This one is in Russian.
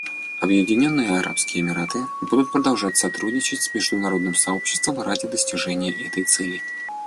Объединенные Арабские Эмираты будут продолжать сотрудничать с международным сообществом ради достижения этой цели.